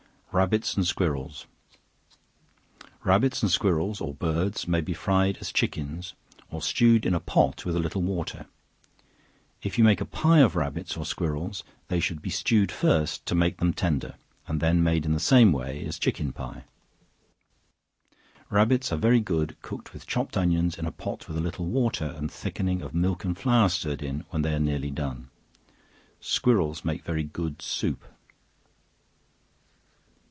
Rabbits and Squirrels. Rabbits and squirrels, or birds, may be fried as chickens, or stewed in a pot with a little water. If you make a pie of rabbits or squirrels, they should be stewed first to make them tender, and then made in the same way as chicken pie. Rabbits ace very good cooked with chopped onions, in a pot with a little water, and thickening of milk and flour stirred in when they are nearly done. Squirrels make very good soup.